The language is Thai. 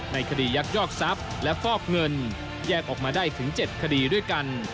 ในคดียักยอกทรัพย์และฟอกเงินแยกออกมาได้ถึง๗คดีด้วยกัน